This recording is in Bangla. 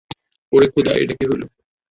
ওরে খোদা, এইডা কি হইলো!